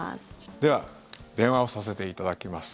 では電話をさせていただきます。